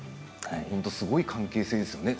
すごい関係性ですよね